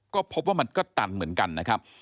ก็พบว่ามันก็ตันเหมือนกันนะครับ